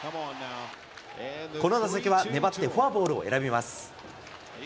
この打席は粘って、フォアボールを選びます。